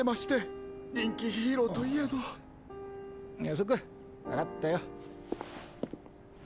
そっか分かったよ。